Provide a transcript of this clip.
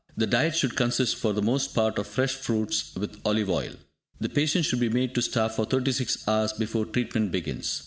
The diet should consist for the most part of fresh fruits with olive oil. The patient should be made to starve for 36 hours before treatment begins.